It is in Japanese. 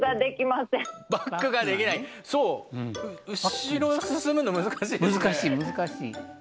後ろ進むの難しいですね。